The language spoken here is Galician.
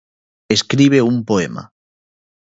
Escribe un poema